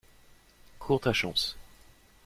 Cours ta chance